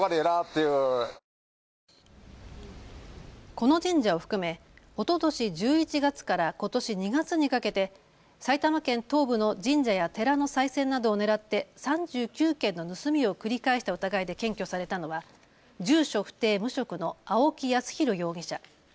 この神社を含めおととし１１月からことし２月にかけて埼玉県東部の神社や寺のさい銭などを狙って３９件の盗みを繰り返した疑いで検挙されたのは住所不定、無職の青木康弘容疑者。